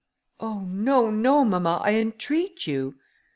"Oh! no, no, mamma, I entreat you."